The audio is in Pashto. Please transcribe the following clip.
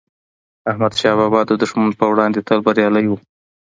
احمدشاه بابا د دښمن پر وړاندی تل بریالي و.